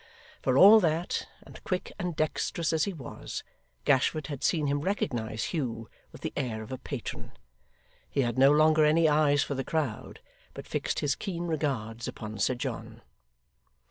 For all that, and quick and dexterous as he was, Gashford had seen him recognise Hugh with the air of a patron. He had no longer any eyes for the crowd, but fixed his keen regards upon Sir John.